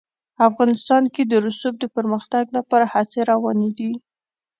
افغانستان کې د رسوب د پرمختګ لپاره هڅې روانې دي.